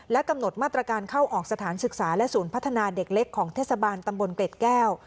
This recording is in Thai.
กำหนดมาตรการเข้าออกสถานศึกษาและศูนย์พัฒนาเด็กเล็กของเทศบาลตำบลเกร็ดแก้ว